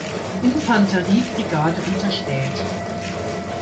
Infanterie-Brigade unterstellt.